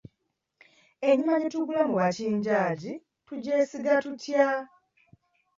Ennyama gye tugula mu bakinjaaji tugyesiga tutya?